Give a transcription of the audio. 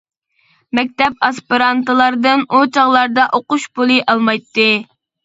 مەكتەپ ئاسپىرانتلاردىن ئۇ چاغلاردا ئوقۇش پۇلى ئالمايتتى.